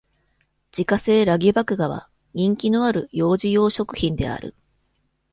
自家製ラギ麦芽は、人気のある幼児用食品である。